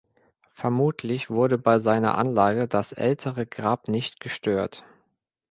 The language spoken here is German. Vermutlich wurde bei seiner Anlage das ältere Grab nicht gestört.